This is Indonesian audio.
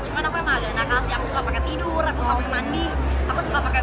cuma aku memang agak nakal sih aku suka pakai tidur aku suka pakai mandi aku suka pakai berenang